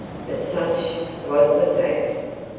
But such was the fact.